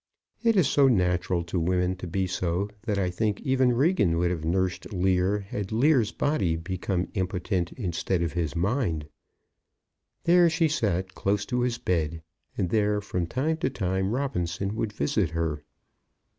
It is so natural to women to be so, that I think even Regan would have nursed Lear had Lear's body become impotent instead of his mind. There she sat close to his bed, and there from time to time Robinson would visit her.